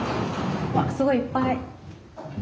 わっすごいいっぱい。